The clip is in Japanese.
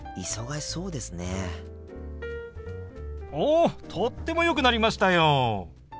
おとってもよくなりましたよ！